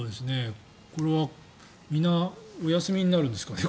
これはみんなお休みになるんですかね。